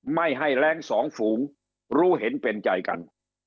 ไม่ให้แรงสองฝูงรู้เห็นเป็นใจกัน